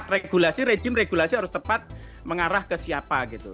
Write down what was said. regulasi rejim regulasi harus tepat mengarah ke siapa gitu